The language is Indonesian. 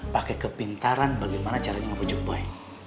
pake kepintaran bagaimana caranya ngebujuk boy